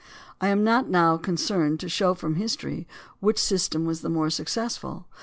I am not now concerned to show from history which system was the more successful.